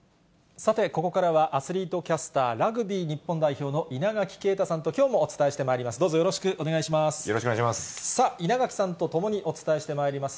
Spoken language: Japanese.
さて、ここからはアスリートキャスター、ラグビー日本代表の稲垣啓太さんときょうもお伝えしてまいります。